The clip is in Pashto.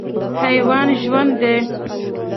حیوان ژوند دی.